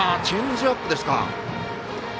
チェンジアップですか。